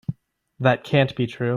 That can't be true.